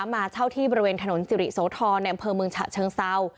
มาเช่าที่บริเวณถนนสิริโสธรในอำเภอเมืองฉะเชิงเซา